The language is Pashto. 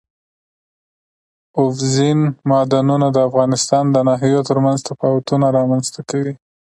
اوبزین معدنونه د افغانستان د ناحیو ترمنځ تفاوتونه رامنځ ته کوي.